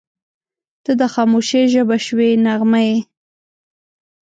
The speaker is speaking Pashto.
• ته د خاموشۍ ژبه شوې نغمه یې.